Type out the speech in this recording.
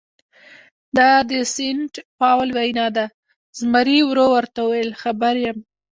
دا د سینټ پاول وینا ده، زمري ورو ورته وویل: خبر یم.